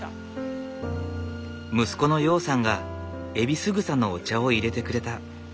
息子の陽さんがエビスグサのお茶をいれてくれた。